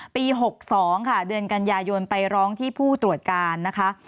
ปี๖๒ค่ะเดือนกันยายนไปร้องที่ผู้ตรวจการนะคะ